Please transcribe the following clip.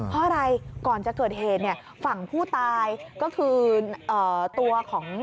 เพราะอะไรก่อนจะเกิดเหตุเนี่ยฝั่งผู้ตายก็คือตัวของ